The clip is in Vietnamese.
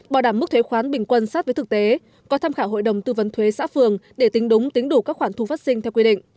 bảo đảm mức thuế khoán bình quân sát với thực tế có tham khảo hội đồng tư vấn thuế xã phường để tính đúng tính đủ các khoản thu phát sinh theo quy định